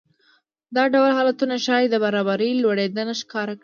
دا ډول حالتونه ښايي د برابرۍ لوړېدنه ښکاره کړي